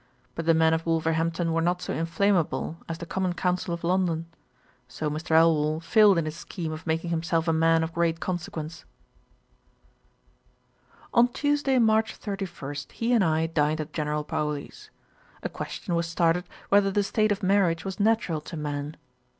But the men of Wolverhampton were not so inflammable as the Common Council of London; so Mr. Elwal failed in his scheme of making himself a man of great consequence.' On Tuesday, March 31, he and I dined at General Paoli's. A question was started, whether the state of marriage was natural to man.